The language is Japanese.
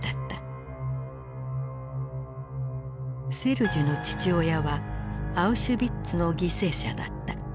セルジュの父親はアウシュビッツの犠牲者だった。